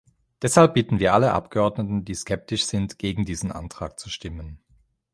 Deshalb bitten wir alle Abgeordneten, die skeptisch sind, gegen diesen Antrag zu stimmen.